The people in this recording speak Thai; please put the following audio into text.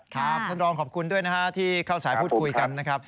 ท่านรองขอบคุณด้วยนะฮะที่เข้าสายพูดคุยกันนะครับ